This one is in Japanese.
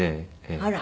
あら。